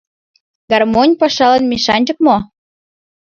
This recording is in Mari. — Гармонь — пашалан мешанчык мо?